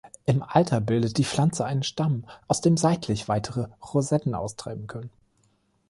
Im Alter bildet die Pflanze einen Stamm, aus dem seitlich weitere Rosetten austreiben können.